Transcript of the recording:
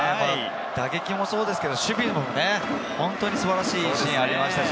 打撃もそうですけれど、守備でも素晴らしいシーンがありました。